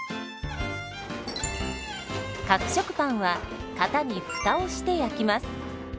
角食パンは型に「フタ」をして焼きます。